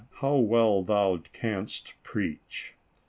how well thou canst preach